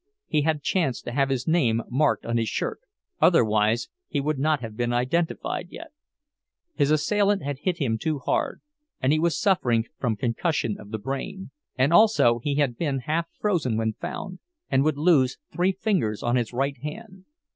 He had chanced to have his name marked on his shirt, otherwise he would not have been identified yet. His assailant had hit him too hard, and he was suffering from concussion of the brain; and also he had been half frozen when found, and would lose three fingers on his right hand.